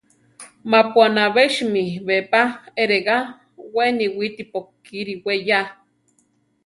Mapu anabésimi be pa eregá, we niwítipo kiri we ya.